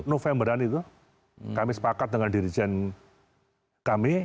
novemberan itu kami sepakat dengan dirijen kami